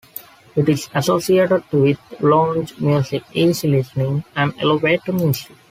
It is associated with lounge music, easy-listening, and elevator music.